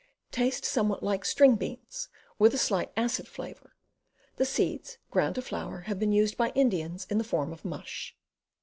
Taste somewhat like string beans, with a slight acid flavor. The seeds, ground to flour, have been used by Indians in the form of mush.